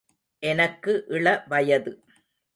எனக்கு இள வயது.